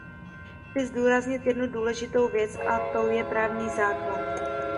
Chci zdůraznit jednu důležitou věc, a tou je právní základ.